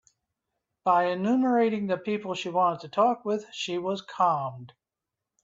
By enumerating the people she wanted to talk with, she was calmed.